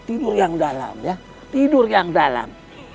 tidur yang dalam